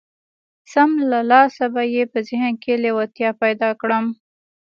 سم له لاسه به يې په ذهن کې لېوالتيا پيدا کړم.